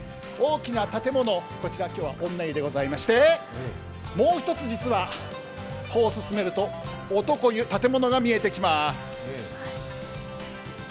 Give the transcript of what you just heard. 大きな建物こちら今日は女湯でありましてもう１つ実は、歩を進めると男湯、建物が見えてきます。